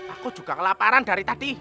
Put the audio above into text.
aku juga kelaparan dari tadi